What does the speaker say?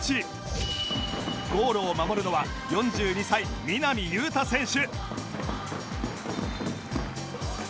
ゴールを守るのは４２歳南雄太選手